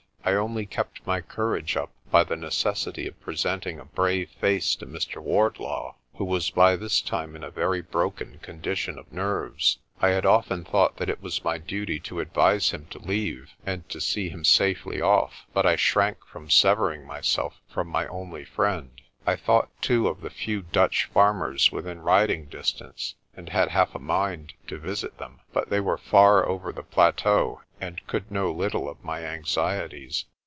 I only kept my courage up by the necessity of presenting a brave face to Mr. Wardlaw, who was by this time in a very broken condition of nerves. I had often thought that it was my duty to advise him to leave, and to see him safely off, but I shrank from severing myself from my only friend. I thought, too, of the few Dutch farmers within riding distance, and had half a mind to visit them, but they were far over the plateau and could know little of my anxieties.